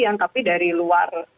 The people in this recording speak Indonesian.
yang tapi dari luar